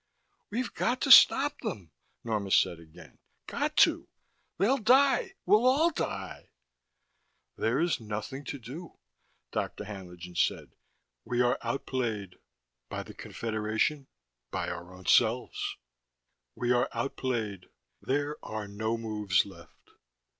"We've got to stop them," Norma said again. "Got to. They'll die we'll all die." "There is nothing to do," Dr. Haenlingen said. "We are outplayed by the Confederation, by our own selves. We are outplayed: there are no moves left.